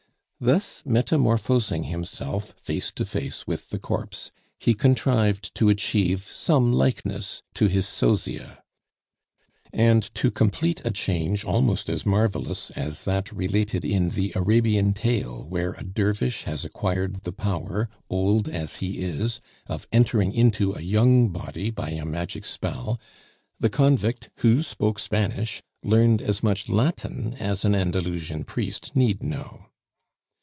Thus metamorphosing himself face to face with the corpse, he contrived to achieve some likeness to his Sosia. And to complete a change almost as marvelous as that related in the Arabian tale, where a dervish has acquired the power, old as he is, of entering into a young body, by a magic spell, the convict, who spoke Spanish, learned as much Latin as an Andalusian priest need know.